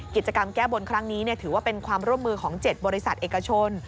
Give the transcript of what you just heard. กิจกรรมแก้บนครั้งนี้ถือว่าเป็นความร่วมมือของ๗บริษัทเอกชน